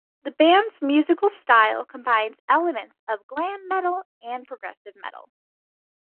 The band's musical style combines elements of glam metal and progressive metal.